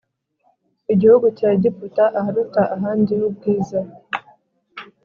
Gihugu cya egiputa aharuta ahandi ubwiza